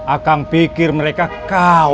akang pikir mereka kawan